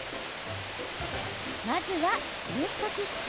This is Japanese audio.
まずは、ウエットティッシュ。